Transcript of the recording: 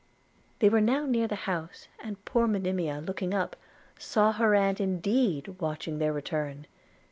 They were now near the house, and poor Monimia, looking up, saw her aunt indeed watching their return.